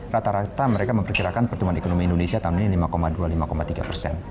rata rata mereka memperkirakan pertumbuhan ekonomi indonesia tahun ini lima dua puluh lima tiga persen